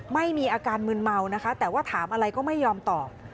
ไม่มีอาการมืนเมานะคะแต่ว่าถามอะไรก็ไม่ยอมตอบ